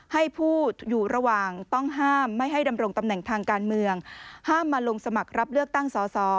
ให้ผู้อยู่ระหว่างต้องห้ามไม่ให้ดำรงตำแหน่งทางการเมืองห้ามมาลงสมัครรับเลือกตั้งสอสอ